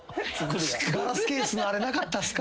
ガラスケースのあれなかったんすか？